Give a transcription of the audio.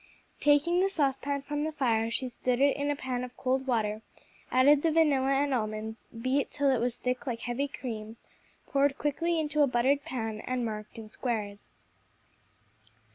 Taking the saucepan from the fire, she stood it in a pan of cold water, added the vanilla and almonds, beat till it was thick like heavy cream, poured quickly into a buttered pan and marked in squares.